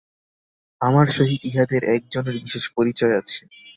আমার সহিত ইঁহাদের একজনের বিশেষ পরিচয় আছে।